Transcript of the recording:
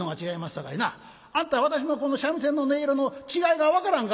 さかいなあんた私のこの三味線の音色の違いが分からんか？」。